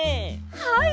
はい。